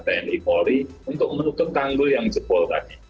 tni polri untuk menutup tanggul yang jebol tadi